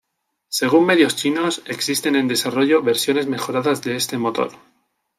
Según medios chinos existen en desarrollo versiones mejoradas de este motor.